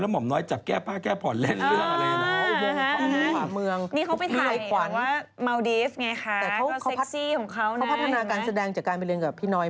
ห่อมน้อยจับแก้ผ้าแก้ผ่อนเล่นเรื่องอะไรนะ